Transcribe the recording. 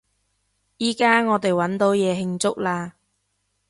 依加我哋搵到嘢慶祝喇！